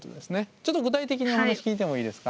ちょっと具体的にお話聞いてもいいですか。